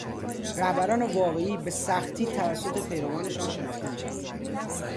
رهبران واقعی به سختی توسط پیروانشان شناخته میشوند